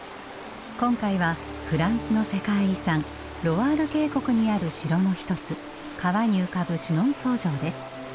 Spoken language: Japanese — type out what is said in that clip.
今回はフランスの世界遺産ロワール渓谷にある城の一つ川に浮かぶシュノンソー城です。